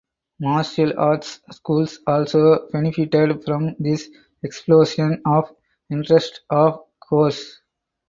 Martial arts schools also benefited from this explosion of interest of course.